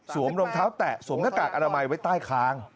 รองเท้าแตะสวมหน้ากากอนามัยไว้ใต้คาง